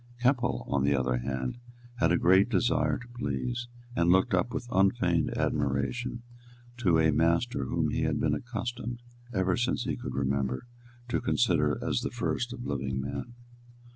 Keppel, on the other hand, had a great desire to please, and looked up with unfeigned admiration to a master whom he had been accustomed, ever since he could remember, to consider as the first of living men.